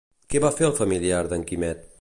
Què va fer el familiar d'en Quimet?